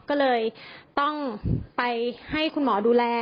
ก็เลยต้องไปให้คุณหมอดูแล